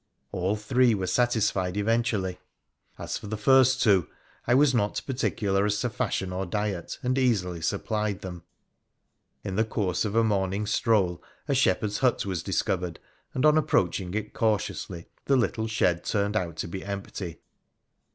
All three were satisfied eventually. As for the first two, I was not particular as to fashion or diet, and easily supplied them. In the course of a morning stroll a shepherd's hut was discovered, and on approaching it cautiously the little shed turned out to be empty.